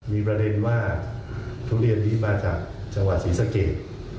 มีประเด็นว่าทุเรียนนี้มาจากจังหวัดศรีสะเกด